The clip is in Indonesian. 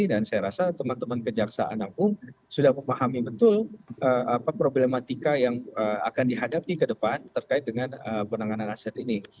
dan saya rasa teman teman kejaksaan aku sudah memahami betul problematika yang akan dihadapi ke depan terkait dengan penanganan aset ini